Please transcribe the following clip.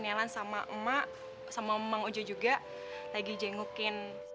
nelan sama emak sama mang ujo juga lagi jengukin